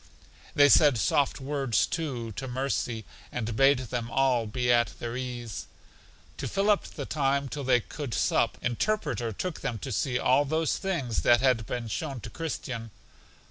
They said soft words, too, to Mercy, and bade them all be at their ease. To fill up the time till they could sup, Interpreter took them to see all those things that had been shown to Christian.